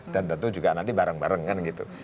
dan tentu juga nanti bareng bareng kan gitu